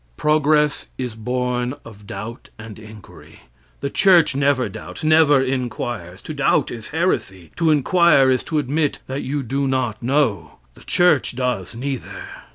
Progress is born of doubt and inquiry. The church never doubts never inquires. To doubt is heresy to inquire is to admit that you do not know the church does neither.